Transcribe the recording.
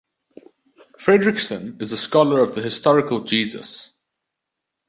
Fredriksen is a scholar of the historical Jesus.